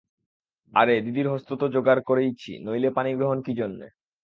আরে, দিদির হস্ত তো জোগাড় করেইছি, নইলে পাণিগ্রহণ কী জন্যে?